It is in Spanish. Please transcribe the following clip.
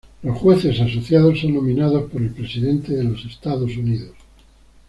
Los jueces asociados son nominados por el presidente de los Estados Unidos.